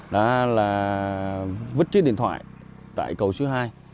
đó là vứt chiếc điện thoại tại cầu số hai